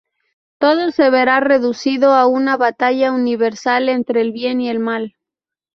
Todo se verá reducido a una batalla universal entre el bien y el mal.